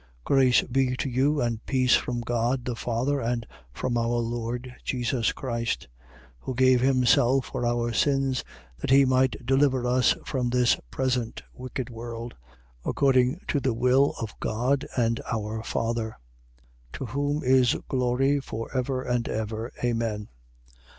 1:3. Grace be to you, and peace from God the Father and from our Lord Jesus Christ, 1:4. Who gave himself for our sins, that he might deliver us from this present wicked world, according to the will of God and our Father: 1:5. To whom is glory for ever and ever. Amen.